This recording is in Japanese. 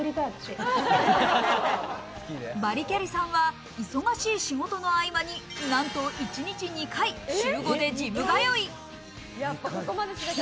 バリキャリさんは忙しい仕事の合間に、なんと一日２回、週５でジム通い。